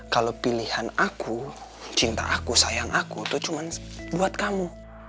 kalau pilihan aku cinta aku sayang aku itu cuma buat kamu